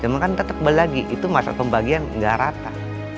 cuma kan tetap lagi itu masa pembagian nggak rata